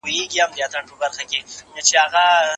ایا د زړو خلګو درناوی کول انسان ته خوشحالي ورکوي؟